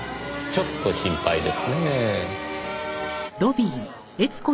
ちょっと心配ですねぇ。